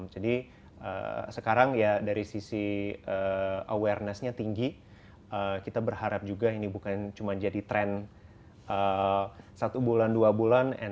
jadi sekarang ya dari sisi awarenessnya tinggi kita berharap juga ini bukan cuma jadi tren satu bulan dua bulan